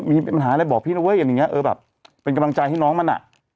มีปัญหาอะไรบอกพี่นะเว้ยเป็นกำลังใจให้น้องมันอ่ะ